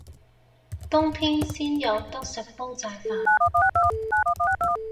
冬天先有得食煲仔飯